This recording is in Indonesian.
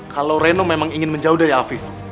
kalau reno memang ingin menjauh dari afif